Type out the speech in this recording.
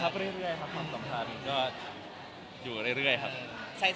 เป็นดอกไม้หรือไง